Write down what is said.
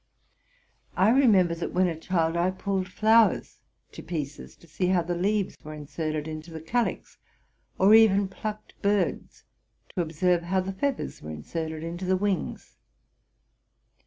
[ remember, that, when a child, I pulled flowers to pieces to see how the leaves were inserted into the calyx, or even plucked birds to observe how the feathers were inserted into the wings.